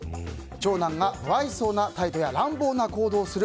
長男が無愛想な態度や乱暴な行動をする。